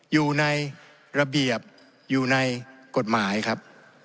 อยู่ในระเบียบอยู่ในกฎหมายครับ